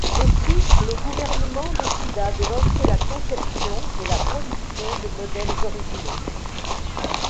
Aussi le gouvernement décida de lancer la conception et la production de modèles originaux.